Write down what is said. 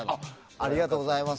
ありがとうございます。